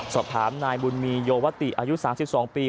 สอบถามนายบุญมีโยวติอายุ๓๒ปี